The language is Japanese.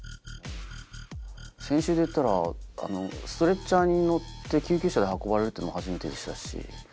先週でいったらストレッチャーに乗って救急車で運ばれるっていうのも初めてでしたし。